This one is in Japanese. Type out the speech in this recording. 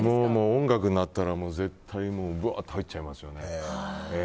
音楽になったら絶対ブワーって入っちゃいますね。